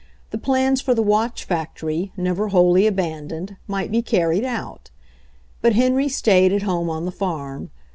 The plans for the watch factory, never wholly abandoned, might be carried out. But Henry stayed at home on the farm.